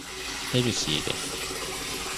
ヘルシーです。